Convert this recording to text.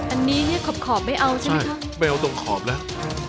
อันนี้เรียกขอบไม่เอาใช่ไหมคะไม่เอาตรงขอบแล้ว